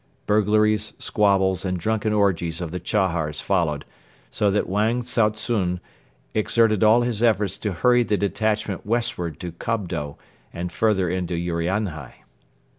Burglaries, squabbles and drunken orgies of the Chahars followed, so that Wang Tsoa tsun exerted all his efforts to hurry the detachment westward to Kobdo and farther into Urianhai.